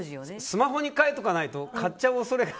スマホに書いとかないと買っちゃう恐れが。